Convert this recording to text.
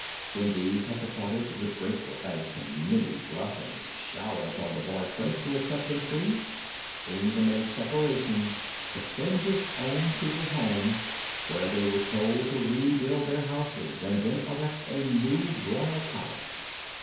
When these had departed, with grateful thanks and many blessings showered upon the boy Prince who had set them free, Inga made preparations to send his own people home, where they were told to rebuild their houses and then erect a new royal palace.